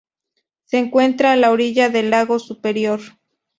Se encuentra a la orilla del lago Superior.